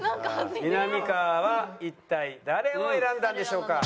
みなみかわは一体誰を選んだんでしょうか？